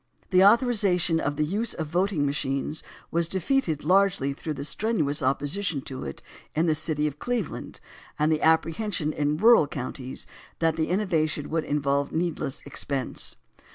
The authorization of the "Use of Voting Machines" was defeated largely through the strenuous opposition to it in the city of Cleveland, and the apprehension in rural counties that the innovation would in volve needless expense.